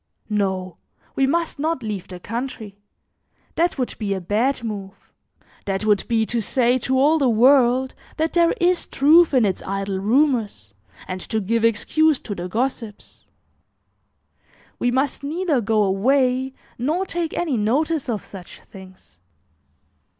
No, we must not leave the country; that would be a bad move; that would be to say to all the world that there is truth in its idle rumors, and to give excuse to the gossips. We must neither go away nor take any notice of such things."